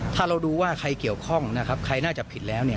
ถ้าเราดูว่าใครเกี่ยวข้องนะครับใครน่าจะผิดแล้วเนี่ย